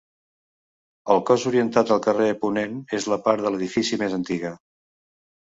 El cos orientat al carrer Ponent és la part de l'edifici més antiga.